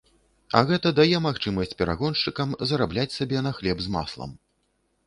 А гэта дае магчымасць перагоншчыкам зарабляць сабе на хлеб з маслам.